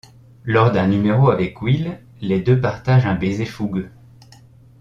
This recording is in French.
Lors d'un numéro avec Will, les deux partagent un baiser fougueux.